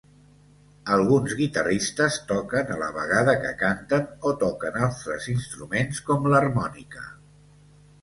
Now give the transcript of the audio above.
Alguns guitarristes toquen a la vegada que canten o toquen altres instruments, com l'harmònica.